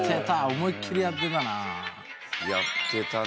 思いっきりやってたな。